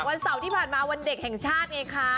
วันเสาร์ที่ผ่านมาวันเด็กแห่งชาติไงคะ